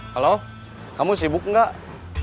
halo kamu sibuk gak